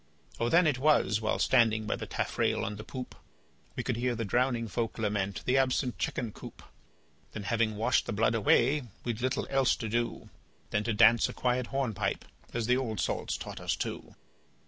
O! then it was (while standing by the taffrail on the poop) We could hear the drowning folk lament the absent chicken coop; Then, having washed the blood away, we'd little else to do Than to dance a quiet hornpipe as the old salts taught us to.